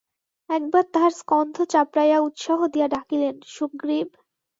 একবার তাহার স্কন্ধ চাপড়াইয়া উৎসাহ দিয়া ডাকিলেন, সুগ্রীব।